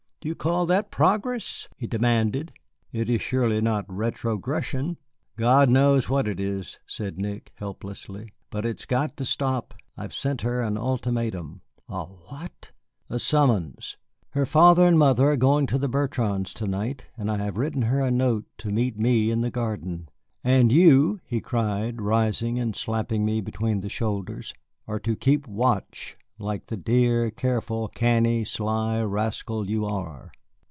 "Do you call that progress?" he demanded. "It is surely not retrogression." "God knows what it is," said Nick, helplessly, "but it's got to stop. I have sent her an ultimatum." "A what?" "A summons. Her father and mother are going to the Bertrands' to night, and I have written her a note to meet me in the garden. And you," he cried, rising and slapping me between the shoulders, "you are to keep watch, like the dear, careful, canny, sly rascal you are."